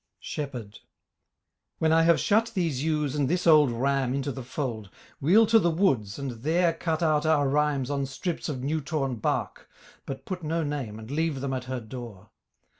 SHEPHERD When I have shut these ewes and this old ram Into the fold, we'll to the woods and there Cut out our rhymes on strips of new torn bark But put no name and leave them at her door.